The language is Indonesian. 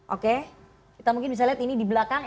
oke kita mungkin bisa lihat ini di belakang